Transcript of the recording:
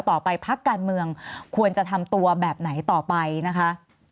พักการเมืองควรจะทำตัวแบบไหนต่อไปนะคะ